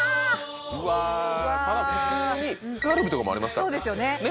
わあただ普通にカルビとかもありますからね